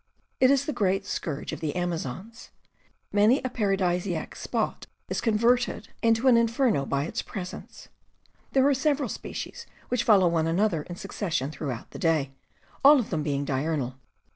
It is the great scourge of the Amazons. Many a paradisaic spot is converted into an inferno by its presence. There are several species, which follow one another in suc cession through the day, all of them being diurnal.